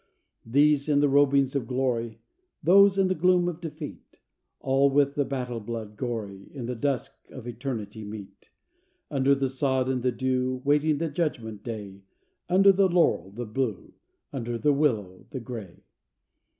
These in the robings of glory, Those in the gloom of defeat, All with the battle blood gory In the dusk of eternity meet Under the sod and the dew, Waiting the judgment day; Under the laurel, the Blue; Under the willow, the Gray.